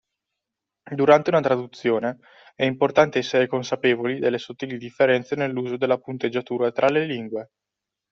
Durante una traduzione è importante essere consapevoli delle sottili differenze nell’uso della punteggiatura tra le lingue